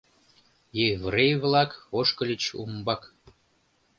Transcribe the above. Еврей-влак ошкыльыч умбак.